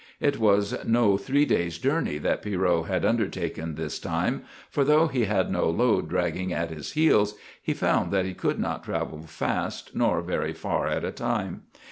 It was no three days' journey that Pierrot had undertaken this time, for though he had no load dragging at his heels, he found that he could not travel fast nor very far at a time.